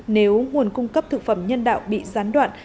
nếu nguồn cung cấp thực phẩm nhân đạo bị gián đoạn